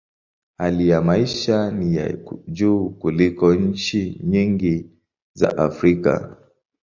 Hali ya maisha ni ya juu kuliko nchi nyingi za Afrika.